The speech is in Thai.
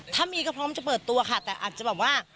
ถ้ามีก็พร้อมจะเปิดตัวค่ะแต่อาจจะแบบว่า